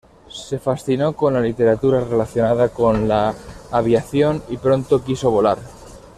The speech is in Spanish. Se fascinó con la literatura relacionada con la aviación y pronto quiso volar.